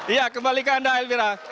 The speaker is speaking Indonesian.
iya kembalikan anda elvira